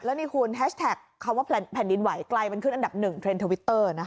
แล้วนี่คุณแฮชแท็กคำว่าแผ่นดินไหวกลายเป็นขึ้นอันดับ๑เทรนด์ทวิตเตอร์นะคะ